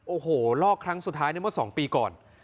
โอ้โหลอกครั้งสุดท้ายในเมื่อ๒ปีก่อน